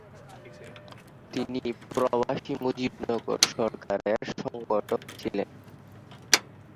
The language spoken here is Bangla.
তিনি প্রবাসী মুজিবনগর সরকারের সংগঠক ছিলেন।